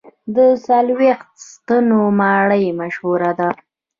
د څلوېښت ستنو ماڼۍ مشهوره ده.